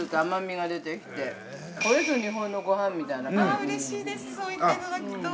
◆うれしいです、そう言っていただくと。